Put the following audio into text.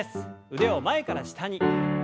腕を前から下に。